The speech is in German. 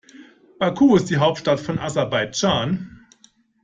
Baku ist die Hauptstadt von Aserbaidschan.